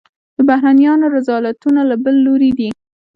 د بهرنیانو رذالتونه له بل لوري دي.